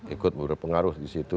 ikut beberapa pengaruh disitu